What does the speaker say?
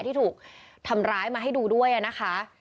ที่ถูกทำร้ายมาให้ดูด้วยนะคะ